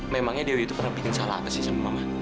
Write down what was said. memangnya dewi itu pernah bikin salah apa sih sama mama